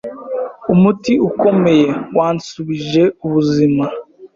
umuti ukomeye wansubije ubuzima.